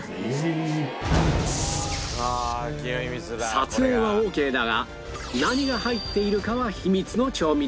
撮影はオーケーだが何が入っているかは秘密の調味料